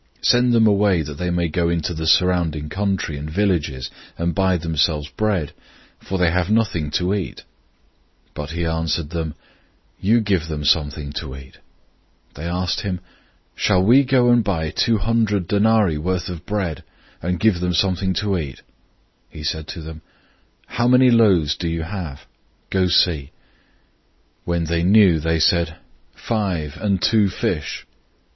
006:036 Send them away, that they may go into the surrounding country and villages, and buy themselves bread, for they have nothing to eat." 006:037 But he answered them, "You give them something to eat." They asked him, "Shall we go and buy two hundred denarii{200 denarii was about 7 or 8 months wages for an agricultural laborer.} worth of bread, and give them something to eat?" 006:038 He said to them, "How many loaves do you have? Go see." When they knew, they said, "Five, and two fish."